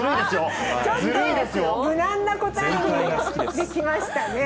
ちょっと無難な答えにきましたね。